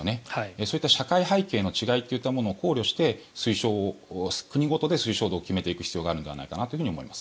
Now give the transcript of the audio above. そういった社会背景の違いを考慮して国ごとで推奨度を決めていく必要があるのではと思います。